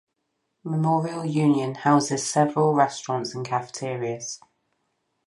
Memorial Union houses several restaurants and cafeterias.